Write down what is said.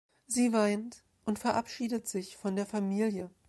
Sie weint und verabschiedet sich von der Familie.